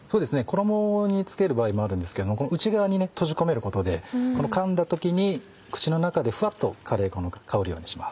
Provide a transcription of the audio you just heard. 衣に付ける場合もあるんですけど内側に閉じ込めることでかんだ時に口の中でふわっとカレー粉が香るようにします。